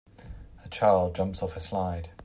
A child jumps off a slide.